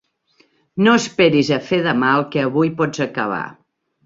No esperis a fer demà el que avui pots acabar.